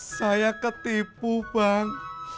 saya ketipu bang